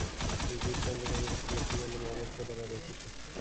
এই গীত কান্ত কবি লক্ষ্মীকান্ত মহাপাত্র দ্বারা রচিত।